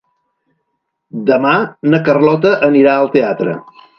Demà na Carlota anirà al teatre.